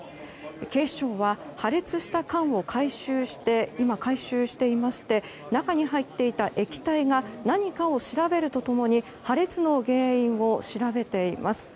警視庁は破裂した缶を今、回収していまして中に入っていた液体が何かを調べると共に破裂の原因を調べています。